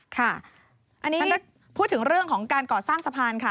ค่ะอันนี้พูดถึงเรื่องของการก่อสร้างสะพานค่ะ